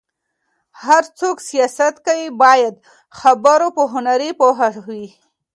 هر څوک چې سياست کوي، باید د خبرو په هنر پوه وي.